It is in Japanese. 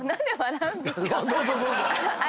どうぞどうぞ。